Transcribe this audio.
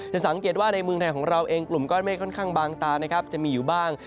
สังเกตว่าในเมืองไทยของเราเองกลุ่มก้อนเมฆค่อนข้างบางตานะครับจะมีอยู่บ้าง